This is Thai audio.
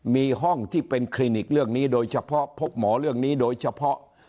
มีห้องที่เป็นคลินิกเรื่องนี้โดยเฉพาะพบหมอเรื่องนี้โดยเฉพาะ